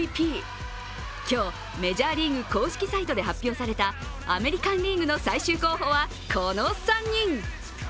今日メジャーリーグ公式サイトで発表されたアメリカン・リーグの最終候補はこの３人。